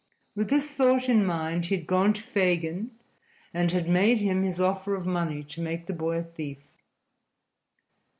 With this thought in mind he had gone to Fagin and had made him his offer of money to make the boy a thief.